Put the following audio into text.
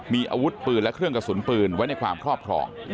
มีอาวุธปืนและเครื่องกระสุนปืนไว้ในความครอบครอง